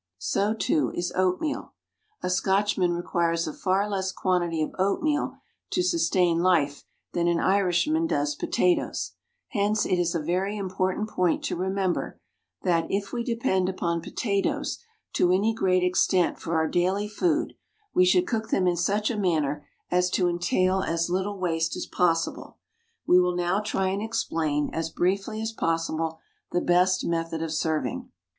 So, too, is oatmeal. A Scotchman requires a far less quantity of oatmeal to sustain life than an Irishman does potatoes; hence it is a very important point to remember that, if we depend upon potatoes to any great extent for our daily food, we should cook them in such a manner as to entail as little waste as possible. We will now try and explain, as briefly as possible, the best method of serving.